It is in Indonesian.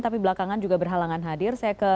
tapi belakangan juga berhalangan hadir